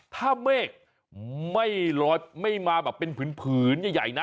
ถ้าเมฆไม่มาแบบเป็นผืนใหญ่นะ